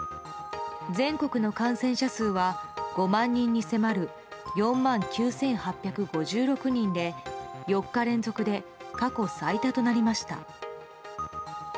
全国の感染者数は５万人に迫る４万９８５６人で４日連続で過去最多となりました。